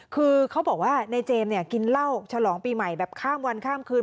คือเขาบอกว่าในเจมส์เนี่ยกินเหล้าฉลองปีใหม่แบบข้ามวันข้ามคืน